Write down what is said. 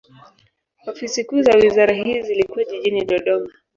Ofisi kuu za wizara hii zilikuwa jijini Dodoma.